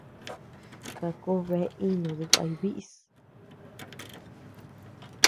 Sakó bea inu dikaya bíʼis.